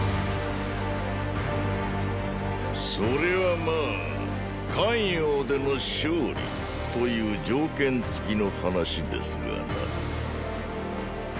それはまァ咸陽での勝利ーーという条件付きの話ですがな。